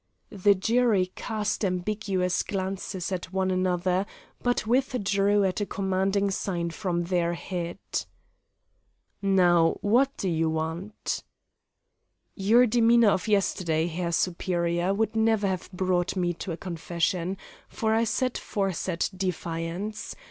The jury cast ambiguous glances at one another, but withdrew at a commanding sign from their head. "Now, what do you want?" "Your demeanour of yesterday, Herr Superior, would never have brought me to a confession, for I set force at defiance.